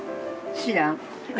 知らん？